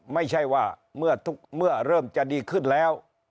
ไม่ใช่ว่าเมื่อเริ่มจะดีขึ้นแล้ว